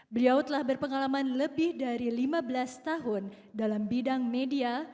beliau telah berpengalaman lebih dari lima belas tahun dalam bidang media